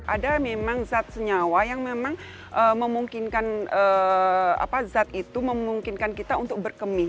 ada memang zat senyawa yang memang memungkinkan kita untuk berkemih